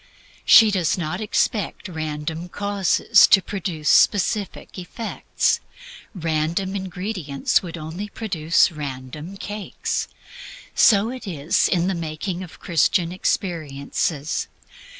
She does not expect random causes to produce specific effects random ingredients would only produce random cakes. So it is in the making of Christian experiences.